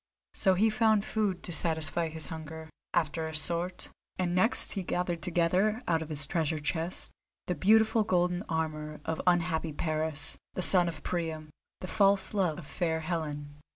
So he found food to satisfy his hunger, after a sort, and next he gathered together out of his treasure chest the beautiful golden armour of unhappy Paris, son of Priam, the false love of fair Helen.